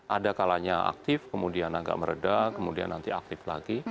ada kalanya aktif kemudian agak meredah kemudian nanti aktif lagi